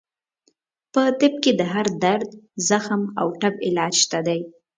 په طب کې د هر درد، زخم او ټپ علاج شته دی.